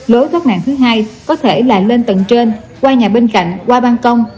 lối thoát nạn thứ hai có thể là lên tầng trên qua nhà bên cạnh qua bang công